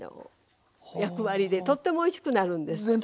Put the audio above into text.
役割でとってもおいしくなるんです。